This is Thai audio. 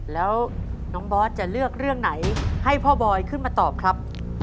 แล้วน้องบอสจะเลือกเรื่องไหนให้พ่อบอยขึ้นมาตอบครับ